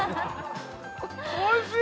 おいしい！